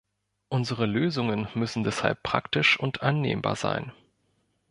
Unsere Lösungen müssen deshalb praktisch und annehmbar sein.